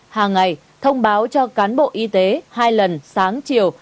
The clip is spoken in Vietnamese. hàng ngày thông báo cho cán bộ y tế hai lần sáng chiều